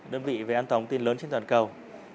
đơn vị về an toàn thông tin lớn trên toàn cầu